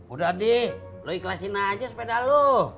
udah abdi lo ikhlasin aja sepeda lo